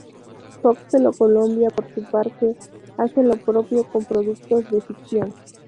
Fox Telecolombia, por su parte, hace lo propio con productos de ficción.